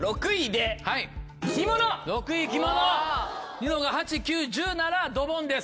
ニノが８９１０ならドボンです。